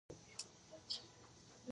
د وینې جریان د زړه لخوا تنظیمیږي